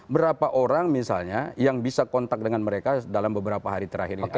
berapa orang misalnya yang bisa kontak dengan mereka dalam beberapa hari terakhir ini